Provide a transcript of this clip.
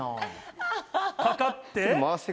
掛かって。